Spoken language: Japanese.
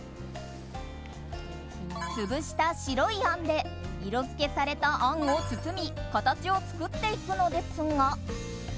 潰した白いあんで色付けされたあんを包み形を作っていくのですが。